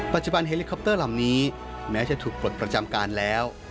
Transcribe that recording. ปัจจุบันเฮลิคอปเตอร์ลำนี้แม้จะถูกปลดประจำการแล้ว